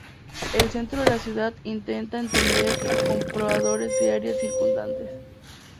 El centro de la ciudad intenta atender a compradores de áreas circundantes.